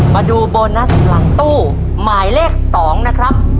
มาดูโบนัสหลังตู้หมายเลข๒นะครับ